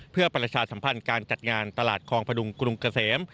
เพื่อประชาสัมพันธ์การจัดงานตลาดคลองพดุงกรุงเกษม